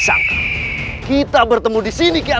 saya akan menjaga kebenaran raden